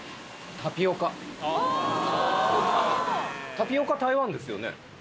タピオカ台湾ですよね？